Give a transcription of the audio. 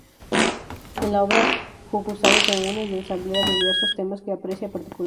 En la obra Hokusai reúne y ensambla diversos temas que aprecia particularmente.